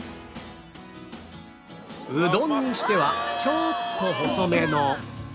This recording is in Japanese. うどんにしてはちょっと細めの